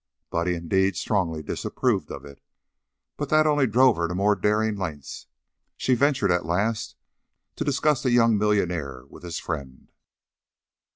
Buddy, indeed, strongly disapproved of it, but that only drove her to more daring lengths. She ventured, at last, to discuss the young millionaire with his friend.